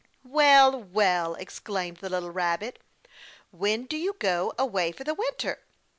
"Well, well," exclaimed the little rabbit. "When do you go away for the winter?"